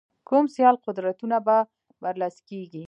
کوم سیال قدرتونه به برلاسي کېږي.